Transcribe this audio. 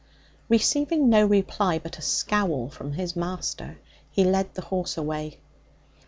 Receiving no reply but a scowl from his master, he led the horse away.